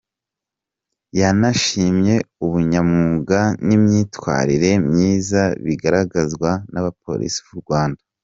Yanashimye ubunyamwuga n’imyitwarire myiza bigaragazwa n’abapolisi b’u Rwanda.